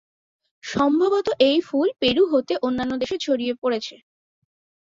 সম্ভবত এই ফুল পেরু হতে অন্যান্য দেশে ছড়িয়ে পড়েছে।